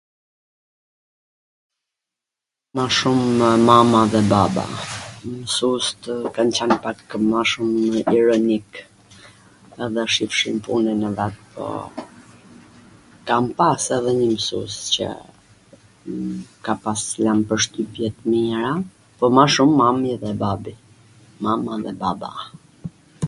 Ma shumw mama dhe baba, msustw kan qwn pak ma shum ironik, edhe shifshin punwn e vet, po, po, kam pas edhe njw msus qw m ka pas lan pwrshtypje t mira, po ma shum mami edhe babi, mama edhe baba.